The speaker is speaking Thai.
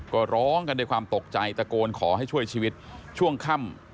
ก็ร้องกันด้วยความตกใจตะโกนขอให้ช่วยชีวิตช่วงค่ำ